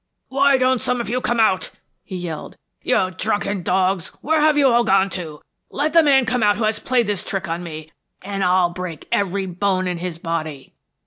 "Why don't some of you come out?" he yelled. "You drunken dogs, where have you all gone to? Let the man come out who has played this trick on me, and I'll break every bone in his body."